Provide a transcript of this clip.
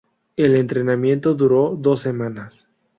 El entrenamiento duró doce semanas.